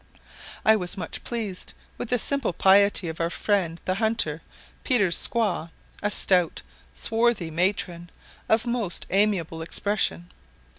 I was much pleased with the simple piety of our friend the hunter Peter's squaw, a stout, swarthy matron, of most amiable expression.